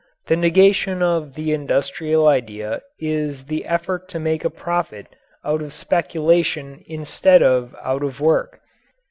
The negation of the industrial idea is the effort to make a profit out of speculation instead of out of work.